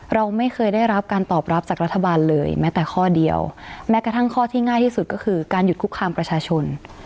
เราไม่เคยได้รับการตอบรับจากรัฐบาลเลยแม้แต่ข้อเดียวแม้กระทั่งข้อที่ง่ายที่สุดก็คือการหยุดคุกคามประชาชน